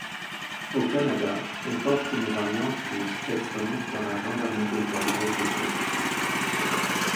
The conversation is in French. Au Canada, on porte une variante du stetson dans la Gendarmerie royale du Canada.